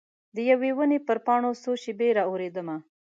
د یوي ونې پر پاڼو څو شیبې را اوریدمه